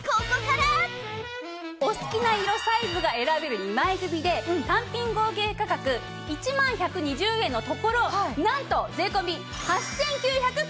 お好きな色サイズが選べる２枚組で単品合計価格１万１２０円のところなんと税込８９９８円です！